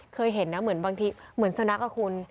เคยเห็นนะเหมือนบางทีเหมือนสุนัขอ่ะคุณ